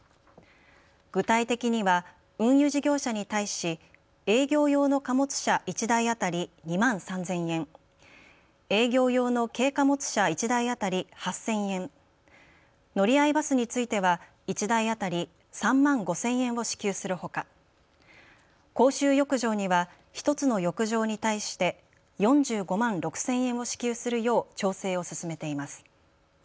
具体的には運輸事業者に対し営業用の貨物車１台当たり２万３０００円、営業用の軽貨物車１台当たり８０００円、乗り合いバスについては１台当たり３万５０００円を支給するほか、公衆浴場には１つの浴場に対して４５万６０００円を支給するよう調整を進めています。